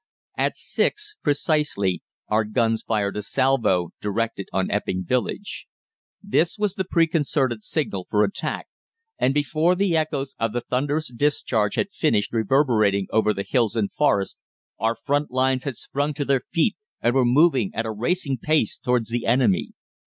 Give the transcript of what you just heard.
"At six precisely our guns fired a salvo directed on Epping village. This was the preconcerted signal for attack, and before the echoes of the thunderous discharge had finished reverberating over the hills and forest, our front lines had sprung to their feet and were moving at a racing pace towards the enemy.